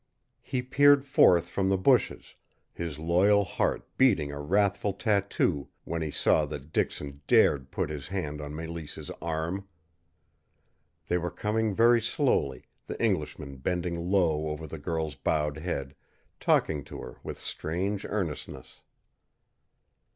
He peered forth from the bushes, his loyal heart beating a wrathful tattoo when he saw that Dixon dared put his hand on Mélisses arm. They were coming very slowly, the Englishman bending low over the girl's bowed head, talking to her with strange earnestness.